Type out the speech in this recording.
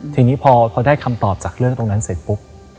ทีนี้พอได้คำตอบจากเรื่องตรงนั้นเสร็จปุ๊บ